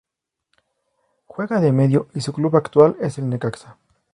Juega de medio y su club actual es el Necaxa